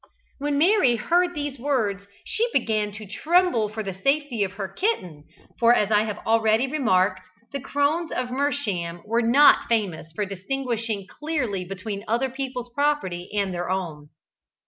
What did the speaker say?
When Mary heard these words she begin to tremble for the safety of her kitten, for as I have already remarked, the Crones of Mersham were not famous for distinguishing clearly between other people's property and their own.